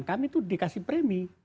kami itu dikasih premi